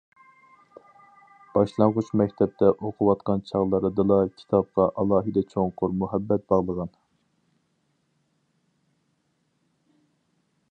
باشلانغۇچ مەكتەپتە ئوقۇۋاتقان چاغلىرىدىلا كىتابقا ئالاھىدە چوڭقۇر مۇھەببەت باغلىغان.